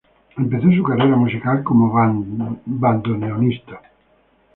Empezó su carrera musical como bandoneonista.